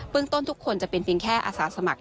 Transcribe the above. พึ่งต้นทุกคนจะเป็นแค่อาสาสมัคร